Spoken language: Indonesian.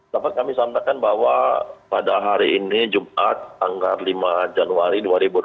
dapat kami sampaikan bahwa pada hari ini jumat tanggal lima januari dua ribu dua puluh empat